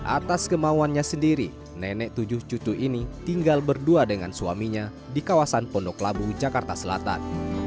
atas kemauannya sendiri nenek tujuh cucu ini tinggal berdua dengan suaminya di kawasan pondok labu jakarta selatan